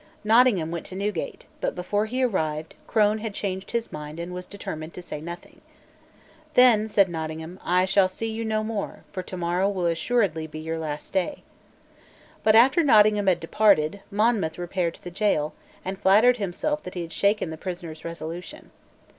Nottingham went to Newgate; but, before he arrived, Crone had changed his mind and was determined to say nothing. "Then," said Nottingham, "I shall see you no more for tomorrow will assuredly be your last day." But, after Nottingham had departed, Monmouth repaired to the gaol, and flattered himself that he had shaken the prisoner's resolution.